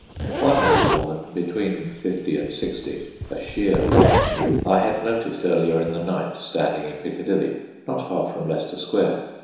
One old woman, between fifty and sixty, a sheer wreck, I had noticed earlier in the night standing in Piccadilly, not far from Leicester Square.